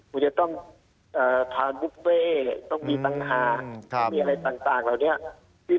คุณจะต้องทานลูกเว่ต้องมีตังฐามีอะไรต่างเหล่านี้